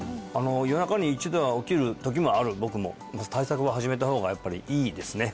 夜中に一度は起きる時もある僕も対策は始めた方がやっぱりいいですね